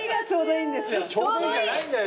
ちょうどいいじゃないんだよ